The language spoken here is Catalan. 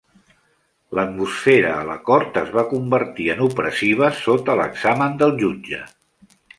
L'atmosfera a la cort es va convertir en opressiva sota l'examen del jutge.